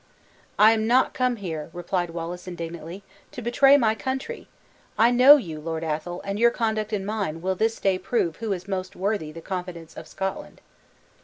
"I am not come here," replied Wallace indignantly, "to betray my country! I know you, Lord Athol: and your conduct and mine will this day prove who is most worthy the confidence of Scotland."